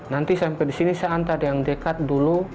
nanti sampai di sini saya antar yang dekat dulu